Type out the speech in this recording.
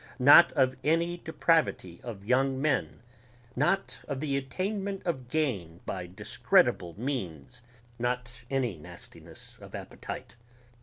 not of any depravity of young men ... not of the attainment of gain by discreditable means ... not any nastiness of appetite